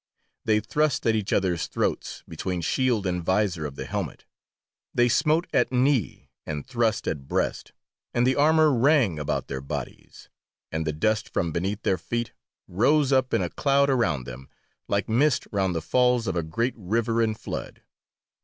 They thrust at each others' throats between shield and visor of the helmet, they smote at knee, and thrust at breast, and the armour rang about their bodies, and the dust from beneath their feet rose up in a cloud around them, like mist round the falls of a great river in flood.